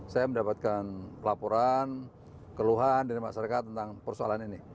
saya mendapatkan laporan keluhan dari masyarakat tentang persoalan ini